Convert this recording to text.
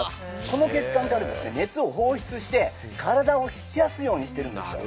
その血管が熱を放出して体を冷やすようにしてるんです。